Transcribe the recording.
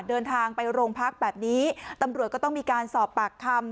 เดินทางไปโรงพักแบบนี้ตำรวจก็ต้องมีการสอบปากคำ